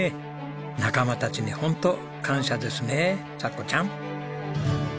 仲間たちにホント感謝ですねさっこちゃん。